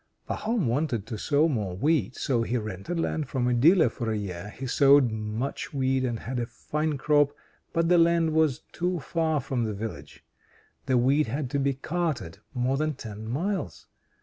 Pahom wanted to sow more wheat; so he rented land from a dealer for a year. He sowed much wheat and had a fine crop, but the land was too far from the village the wheat had to be carted more than ten miles.